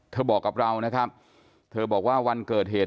บอกกับเรานะครับเธอบอกว่าวันเกิดเหตุ